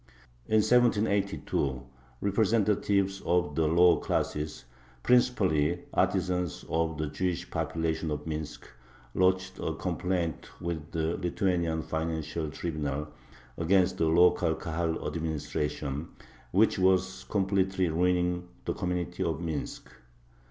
In 1782 representatives of the lower classes, principally artisans, of the Jewish population of Minsk, lodged a complaint with the Lithuanian Financial Tribunal against the local Kahal administration, which "was completely ruining the community of Minsk."